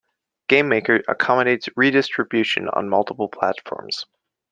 GameMaker accommodates redistribution on multiple platforms.